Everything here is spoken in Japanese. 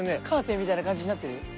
カーテンみたいな感じになってる。